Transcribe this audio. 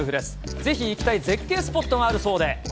ぜひ行きたい絶景スポットがあるそうで。